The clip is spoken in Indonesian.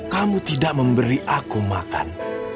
kamu tidak memberi aku makan